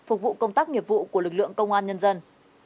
phục vụ công tác nghiệp vụ của lực lượng công an nhân dân